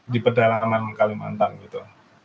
di pedalaman kalimantan gitu